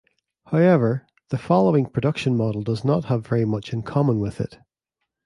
However, the following production model does not have very much in common with it.